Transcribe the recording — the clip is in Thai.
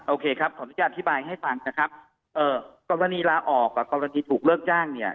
โอเคครับขออนุญาตอธิบายให้ฟังนะครับเอ่อกรณีลาออกกับกรณีถูกเลิกจ้างเนี่ย